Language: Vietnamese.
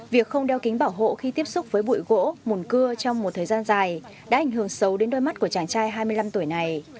việc không đeo kính bảo hộ khi tiếp xúc với bụi gỗ mùn cưa trong một thời gian dài đã ảnh hưởng sâu đến đôi mắt của chàng trai hai mươi năm tuổi này